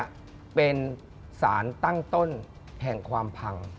เพราะลุงตูเนี่ยเป็นสารตั้งต้นแห่งความพัง